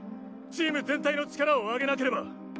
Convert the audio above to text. チーム全体の力を上げなければ。